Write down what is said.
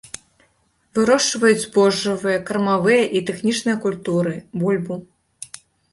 Вырошчваюць збожжавыя, кармавыя і тэхнічныя культуры, бульбу.